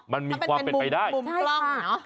มันมีความเป็นไปได้มันเป็นมุมกล้องเหรอ